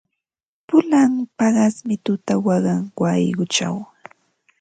Pulan paqasmi tuku waqan wayquchaw.